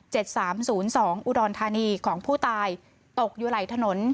สามศูนย์สองอุดรธานีของผู้ตายตกอยู่ไหลถนน